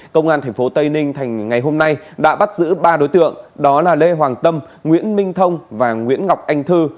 công an tp tây ninh ngày hôm nay đã bắt giữ ba đối tượng đó là lê hoàng tâm nguyễn minh thông và nguyễn ngọc anh thư